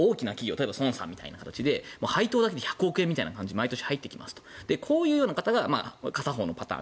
例えば孫さんみたいな形で配当だけで１００億円みたいな形で毎年入ってきますとこういう方が片方のパターン。